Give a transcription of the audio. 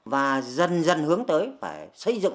và dần dần hướng tới phải xây dựng